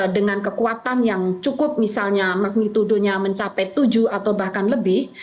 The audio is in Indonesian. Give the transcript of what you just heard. dengan kekuatan yang cukup misalnya magnitudonya mencapai tujuh atau bahkan lebih